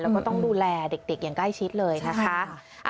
แล้วก็ต้องดูแลเด็กอย่างใกล้ชิดเลยนะคะ